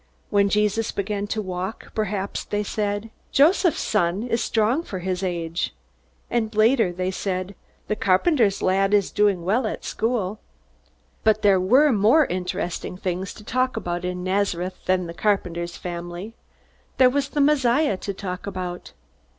When Jesus began to walk perhaps they said, "Joseph's son is strong for his age." And later they said, "The carpenter's lad is doing well at school." But there were more interesting things to talk about in Nazareth than the carpenter's family. There was the Messiah to talk about.